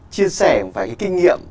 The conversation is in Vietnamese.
chia sẻ một vài cái kinh nghiệm